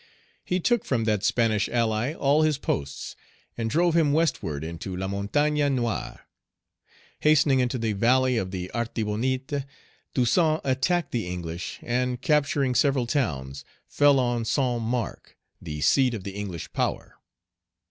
He took from that Spanish ally all his posts, and drove him westward into La Montaigne Noire. Hastening into the valley of the Artibonite, Toussaint attacked the English, and, capturing several towns, fell on Saint Marc, the seat of the English power.